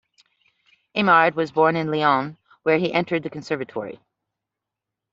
Aimard was born in Lyon, where he entered the conservatory.